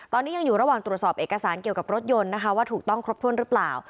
ตอนนี้ยังอยู่ระหว่างตรวจสอบเอกสารเกี่ยวกับรถยนต์นะคะว่าถูกต้องครบถ้วนหรือเปล่า